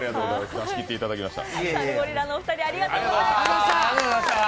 出し切っていただきました。